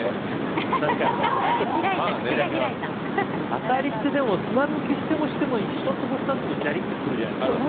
アサリってでも砂抜きしても１粒２粒じゃりっとくるじゃないですか。